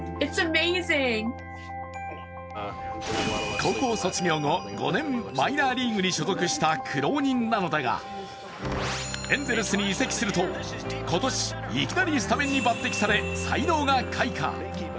高校卒業後、５年マイナーリーグに所属した苦労人なのだが、エンゼルスに移籍すると今年、いきなりスタメンに抜てきされ、才能が開花。